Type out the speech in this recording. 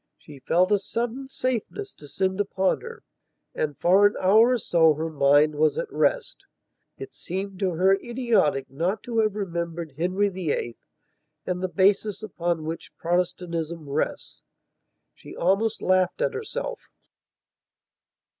She felt a sudden safeness descend upon her, and for an hour or so her mind was at rest. It seemed to her idiotic not to have remembered Henry VIII and the basis upon which Protestantism rests. She almost laughed at herself.